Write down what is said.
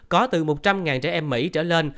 có từ một trăm linh trẻ em mỹ trở lên